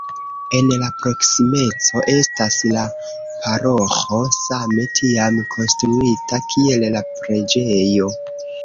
En la proksimeco estas la paroĥo, same tiam konstruita, kiel la preĝejo.